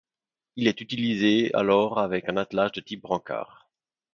Il est utilisé alors avec un attelage de type brancard.